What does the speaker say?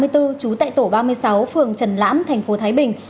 trú tại tổ ba mươi sáu phường trần lãm tp thái bình